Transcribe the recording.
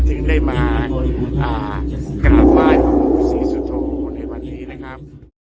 ที่ได้มากราบมายของศรีสุทธวงศ์ในวันนี้นะครับ